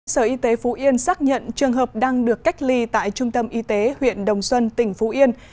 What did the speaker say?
sở y tế phú yên xác nhận trường hợp đang được cách ly tại trung tâm y tế huyện đồng xuân tỉnh phú yên